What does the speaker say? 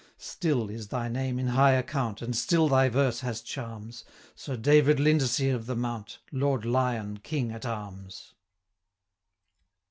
150 Still is thy name in high account, And still thy verse has charms, Sir David Lindesay of the Mount, Lord Lion King at arms!